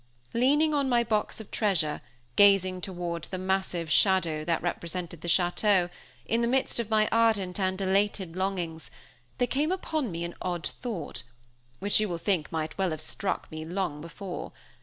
Leaning on my box of treasure, gazing toward the massive shadow that represented the château, in the midst of my ardent and elated longings, there came upon me an odd thought, which you will think might well have struck me long before.